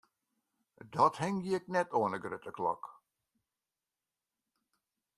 Dat hingje ik net oan 'e grutte klok.